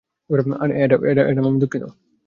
Adam, দুঃখিত।